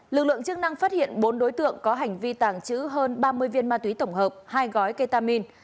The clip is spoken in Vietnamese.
lực lượng chức năng phát hiện bốn đối tượng có hành vi tàng trữ hơn ba mươi viên ma túy tổng hợp hai gói ketamin